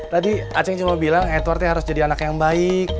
tadi aceh cuma bilang edwardnya harus jadi anak yang baik